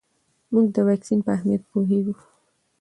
مور د واکسین په اهمیت پوهیږي.